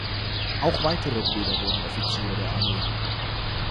Auch weitere Brüder wurden Offiziere der Armee.